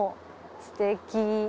すてき。